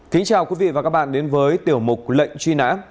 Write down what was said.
kính chào quý vị và các bạn đến với tiểu mục lệnh truy nã